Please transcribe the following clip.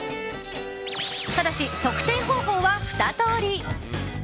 ただし、得点方法は２通り。